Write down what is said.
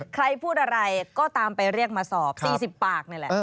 ใครพูดอะไรก็ตามไปเรียกมาสอบ๔๐ปากนี่แหละ